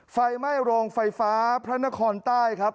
ไฟไหม้โรงไฟฟ้าพระนครใต้ครับ